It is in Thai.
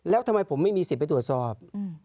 แล้วทำไมผมไม่มีสิทธิ์ไปตรวจสอบ